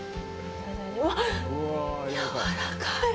わっ、やわらかい。